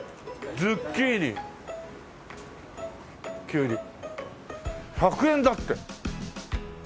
「ズッキーニ」「きゅうり」１００円だって！